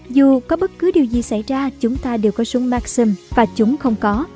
dù có bất cứ điều gì xảy ra chúng ta đều có súng maxim và chúng không có